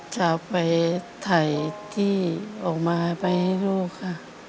จะเอาไปถ่ายที่ออกมาไปให้ลูกค่ะ